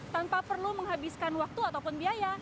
tanpa perlu menghabiskan waktu ataupun biaya